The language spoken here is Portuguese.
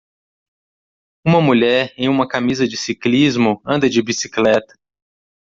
Uma mulher em uma camisa de ciclismo anda de bicicleta